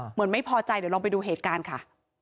เหมือนไม่พอใจเดี๋ยวลองไปดูเหตุการณ์ค่ะ